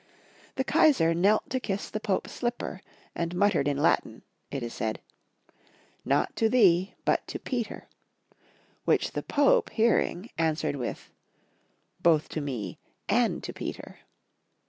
The Kaisar knelt to kiss the Pope's slip per, and muttered in Latin (it is said), " Not to thee, but to Peter," which the Pope hearing an swered with, " Both to me and to Peter."